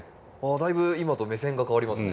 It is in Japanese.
だいぶ今と目線が変わりますね。